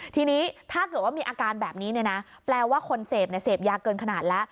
ทีนี้ถ้าเกิดว่ามีอาการแบบนี้เนี่ยนะแปลว่าคนเสพเสพยาเกินขนาดแล้ว